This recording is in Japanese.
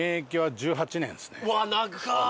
うわっ長っ！